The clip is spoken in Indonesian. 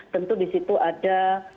tentu di situ ada